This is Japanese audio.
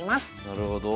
なるほど。